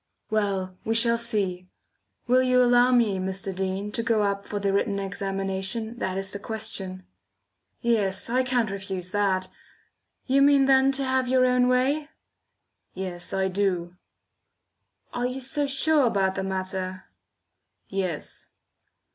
"Well, we shall see. Will you allow me, Mr. Dean, to go up for the written examination, that is the question?" "Yes, I can't refuse that. You mean then to have your own way?" "Yes, I do." "Arc you so sure about the matter?" "Yes."